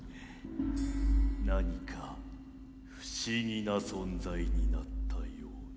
何か不思議な存在になったような。